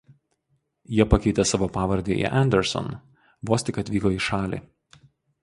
Jie pakeitė savo pavardę į Anderson vos tik atvyko į šalį.